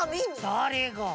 だれが？